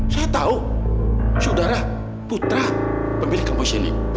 saya tahu saudara putra pemilik kampus ini